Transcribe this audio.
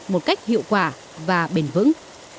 một cách hiệu quả và bền vững